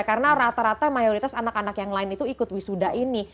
karena rata rata mayoritas anak anak yang lain itu ikut wisuda ini